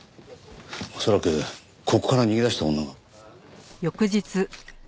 恐らくここから逃げ出した女が。